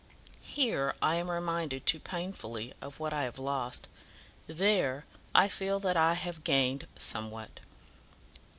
Here, I am reminded too painfully of what I have lost; there, I feel that I have gained somewhat."